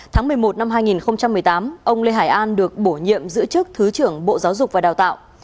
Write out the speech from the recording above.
tháng một mươi một năm hai nghìn một mươi tám ông lê hải an được bổ nhiệm giữ chức thứ trưởng bộ giáo dục và đào tạo